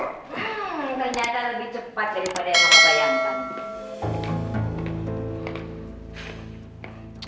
ternyata lebih cepat daripada yang aku bayangkan